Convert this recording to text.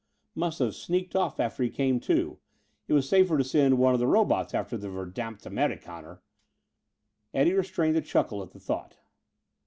Must have sneaked off after he came to; it was safer to send one of the robots after the verdammt Amerikaner. Eddie restrained a chuckle at the thought.